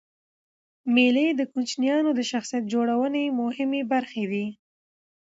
مېلې د کوچنيانو د شخصیت جوړنوني مهمي برخي دي.